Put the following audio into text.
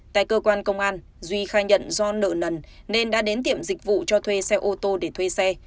tại cơ quan công an duy khai nhận do nợ nần nên đã đến tiệm dịch vụ cho thuê xe ô tô để thuê xe